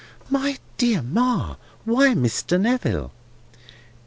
"My dear Ma! why Mr. Neville?"